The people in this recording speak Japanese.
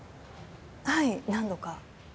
はい何度か。